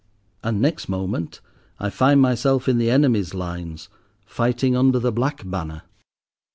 And next moment, I find myself in the enemy's lines, fighting under the black banner.